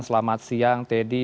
selamat siang teddy